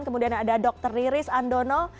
kemudian ada dr riris andono